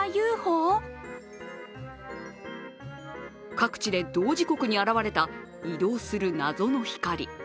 各地で同時刻に現れた移動する謎の光。